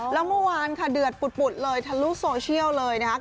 แล้วเมื่อวานค่ะเดือดปุดเลยทะลุโซเชียลเลยนะครับ